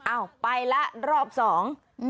อ้าวไปแล้วรอบสอง